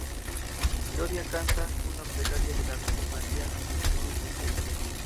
Gloria canta una plegaria a la Virgen María, "Vergine Santa".